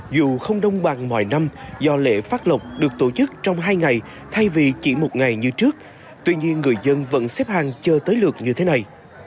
dù không đông bằng mọi năm do lễ phát lộc được tổ chức trong hai ngày thay vì chỉ một ngày như trước tuy nhiên người dân vẫn xếp hàng chờ tới lượt như thế này